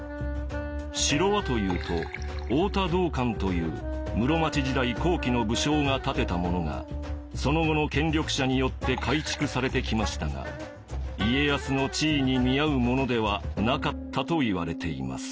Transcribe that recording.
城はというと太田道灌という室町時代後期の武将が建てたものがその後の権力者によって改築されてきましたが家康の地位に見合うものではなかったといわれています。